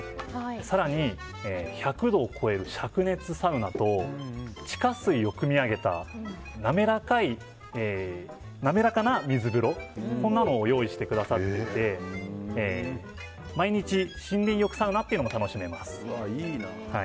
更に、１００度を超える灼熱サウナと地下水をくみ上げた滑らかな水風呂こんなのを用意してくださっていて毎日、森林浴サウナも楽しめます。